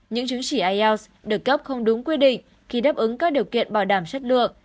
những chứng chỉ ielts được cấp không đúng quy định khi đáp ứng các điều kiện bảo đảm chất lượng